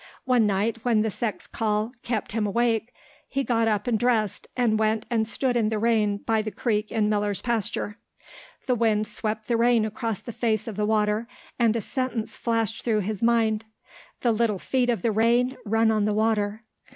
One night when the sex call kept him awake he got up and dressed, and went and stood in the rain by the creek in Miller's pasture. The wind swept the rain across the face of the water and a sentence flashed through his mind: "The little feet of the rain run on the water."